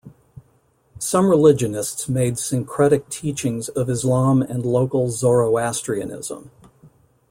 Some religionists made syncretic teachings of Islam and local Zoroastrianism.